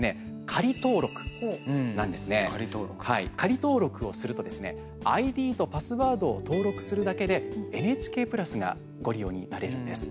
仮登録をするとですねＩＤとパスワードを登録するだけでＮＨＫプラスがご利用になれるんです。